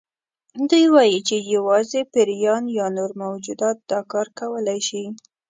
دوی وایي چې یوازې پیریان یا نور موجودات دا کار کولی شي.